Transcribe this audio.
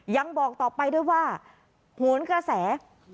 ยังบอกต่อไปด้วยว่าโหนกระแส